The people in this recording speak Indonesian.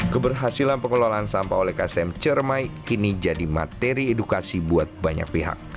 keberhasilan pengelolaan sampah oleh ksm cermai kini jadi materi edukasi buat banyak pihak